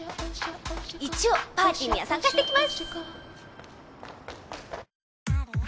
一応パーティーには参加してきます！